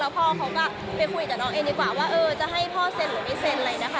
พ่อเขาก็ไปคุยกับน้องเองดีกว่าว่าจะให้พ่อเซ็นหรือไม่เซ็นอะไรนะคะ